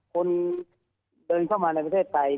คนเดินเข้ามาในประเทศไทย